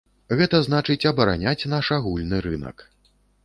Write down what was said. Гэта значыць абараняць наш агульны рынак.